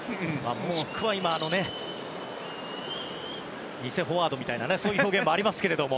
もしくは今偽フォワードみたいな表現もありますが。